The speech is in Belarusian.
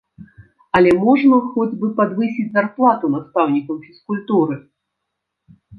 Але можна хоць бы падвысіць зарплату настаўнікам фізкультуры?